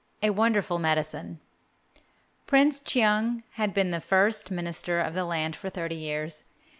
XLV A WONDERFUL MEDICINE Prince Cheung had been First Minister of the land for thirty years.